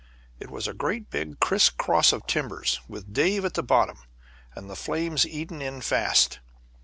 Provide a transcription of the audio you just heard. It was a great big criss cross of timbers, with Dave at the bottom, and the flames eating in fast.